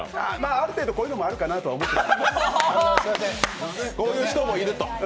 ある程度こういうのもあるかなと思ってた。